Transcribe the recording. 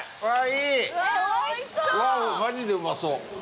マジでうまそう。